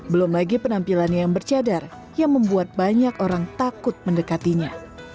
belum lagi penampilannya yang bercadar yang membuat banyak orang takut mendekatinya